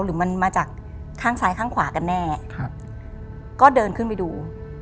หรือมันมาจากข้างซ้ายข้างขวากันแน่ครับก็เดินขึ้นไปดู